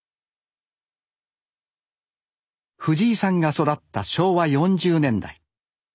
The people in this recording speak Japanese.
藤井さんが育った昭和４０年代。